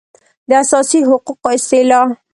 د اساسي حقوقو اصطلاح